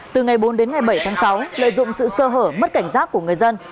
từ ngày bốn đến ngày bảy tháng sáu lợi dụng sự sơ hở mất cảnh giác của người dân